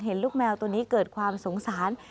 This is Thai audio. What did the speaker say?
เห็นลูกแมวตัวนี้เกิดความสงสาร